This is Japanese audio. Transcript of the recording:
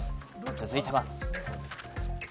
続いては。